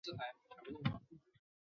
关人口变化图示